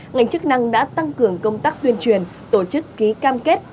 ngành chức năng đã tăng cường công tác tuyên truyền tổ chức ký cam kết